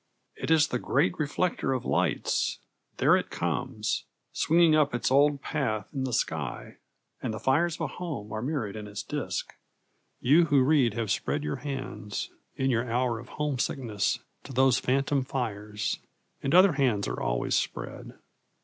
It is the great reflector of lights; there it comes, swinging up its old path in the sky, and the fires of home are mirrored on its disk. You who read have spread your hands, in your hour of homesickness, to those phantom fires and other hands are always spread.